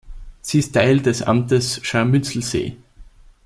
Sie ist Teil des Amtes Scharmützelsee.